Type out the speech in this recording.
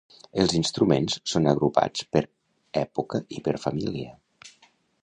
Els instruments són agrupats per època i per família.